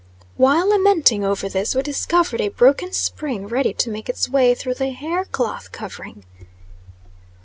While lamenting over this, we discovered a broken spring ready to make its way through the hair cloth covering.